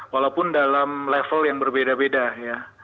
walaupun dalam level yang berbeda beda ya